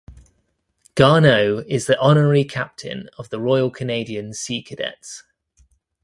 Garneau is the Honorary Captain of the Royal Canadian Sea Cadets.